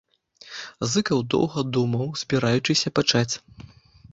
Зыкаў доўга думаў, збіраючыся пачаць.